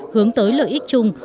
hướng tới lợi ích chung